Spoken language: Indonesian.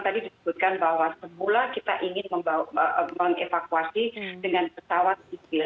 disebutkan bahwa semula kita ingin mengevakuasi dengan pesawat sipil